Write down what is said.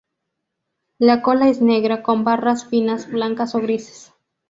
La cola es negra con barras finas blancas o grises.